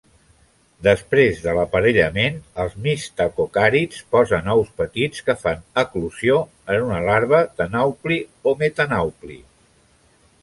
Després de l'aparellament, els mistacocàrids posen ous petits, que fan eclosió en una larva de naupli o metanaupli.